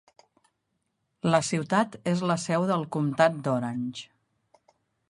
La ciutat és la seu del comtat d'Orange.